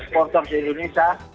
sport tersebut di indonesia